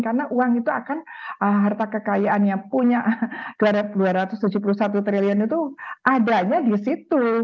karena uang itu akan harta kekayaan yang punya dua ratus tujuh puluh satu triliun itu adanya di situ